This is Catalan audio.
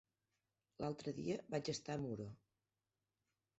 L'altre dia vaig estar a Muro.